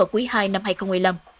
quý hai năm hai nghìn một mươi năm